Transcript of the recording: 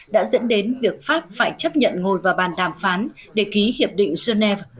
đã dẫn đến việc pháp phải chấp nhận ngồi vào bàn đàm phán để ký hiệp định genève